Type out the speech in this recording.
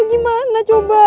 cium aku ya